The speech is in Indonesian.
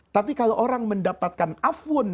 tapi kalau orang mendapatkan afun